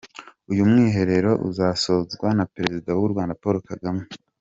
Uyu mwiherero uzasozwa na Perezida w’u Rwanda Paul Kagame.